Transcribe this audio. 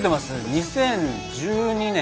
２０１２年。